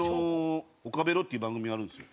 『おかべろ』っていう番組があるんですよ。